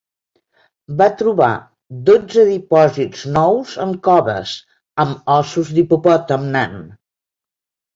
Va trobar dotze dipòsits nous en coves, amb ossos d'hipopòtam nan.